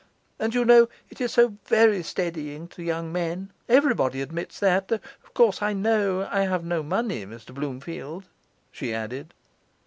And you know it is so very steadying to young men, everybody admits that; though, of course, I know I have no money, Mr Bloomfield,' she added.